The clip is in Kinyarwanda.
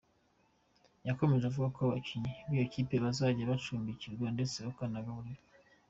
Yakomeje avuga ko abakinnyi b’iyo kipe bazajya bacumbikirwa ndetse bakanagaburirwa.